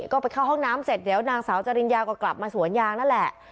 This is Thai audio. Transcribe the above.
ก็ไปเข้าห้องน้ำเสร็จเดี๋ยวนางสาวจริญญาก็กลับมาสวนยางนั่นแหละ